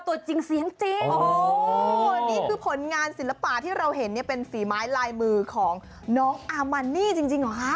โอ้โฮนี่คือผลงานศิลปะที่เราเห็นเป็นสีไม้ลายมือของน้องอามันนี่จริงอ่ะฮะ